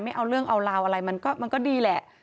ไม่เอาเรื่องเอาราวอะไรมันก็ดีแหละ